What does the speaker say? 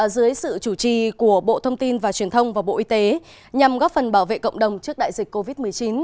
dưới sự chủ trì của bộ thông tin và truyền thông và bộ y tế nhằm góp phần bảo vệ cộng đồng trước đại dịch covid một mươi chín